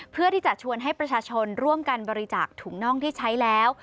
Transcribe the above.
เพื่อที่จะชวนให้ประชาชนร่วมกันบริจาคถุงน่องที่ใช้แล้ว